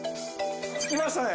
着きましたね。